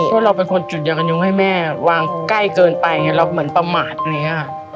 เพราะว่าเราเป็นคนจุดยังยุ่งให้แม่วางใกล้เกินไปอย่างเงี้ยเราเหมือนประมาทอย่างเงี้ย